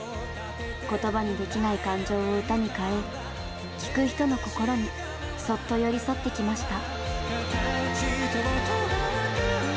言葉にできない感情を歌に変え聴く人の心にそっと寄り添ってきました。